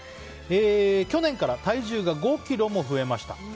去年から体重が５ｋｇも増えました。